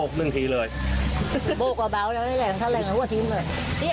คุณยายคุณยายของในบีน่ะ